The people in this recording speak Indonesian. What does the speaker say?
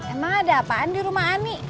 emang ada apaan di rumah ami